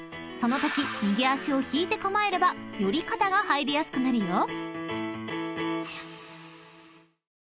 ［そのとき右足を引いて構えればより肩が入りやすくなるよ］